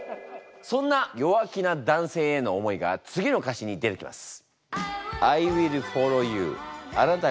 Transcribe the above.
そんな弱気な男性への思いが次の歌詞に出てきます。